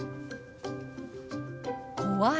「怖い」。